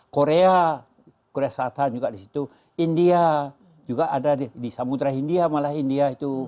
korea korea selatan juga di situ india juga ada di samudera india malah india itu